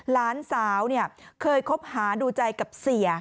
หลานสาวเคยคบหาดูใจกับเสีย